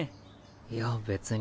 いや別に。